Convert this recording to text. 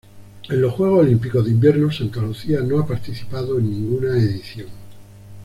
En los Juegos Olímpicos de Invierno Santa Lucía no ha participado en ninguna edición.